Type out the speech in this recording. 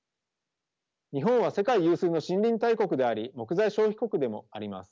日本は世界有数の森林大国であり木材消費国でもあります。